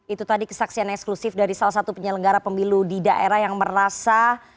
itu tadi kesaksian eksklusif dari salah satu penyelenggara pemilu di daerah yang merasa